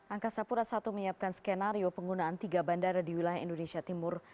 angka sapura satu menyiapkan skenario penggunaan tiga bandara di wilayah indonesia timur